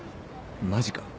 マジか。